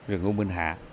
rừng u minh hạ